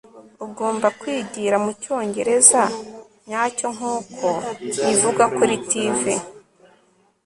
Ugomba kwigira mucyongereza nyacyo nkuko bivugwa kuri TV